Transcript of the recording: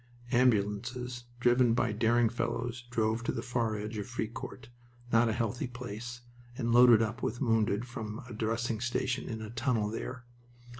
Ambulances driven by daring fellows drove to the far edge of Fricourt, not a healthy place, and loaded up with wounded from a dressing station in a tunnel there.